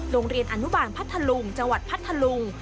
โรงเรียนอนุบาลพัทธลุงจังหวัดพัทธลุง